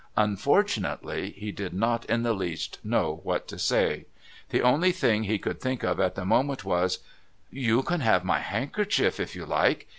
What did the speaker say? Unfortunately he did not in the least know what to say. The only thing he could think of at the moment was: "You can have my handkerchief, if you like.